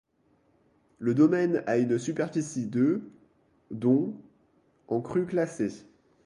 Le domaine a une superficie de dont en cru classé.